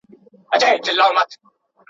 زه پرون کالي مينځلي